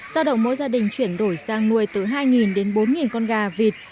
giao động mỗi gia đình chuyển đổi sang nuôi từ hai đến bốn con gà vịt